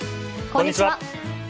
こんにちは。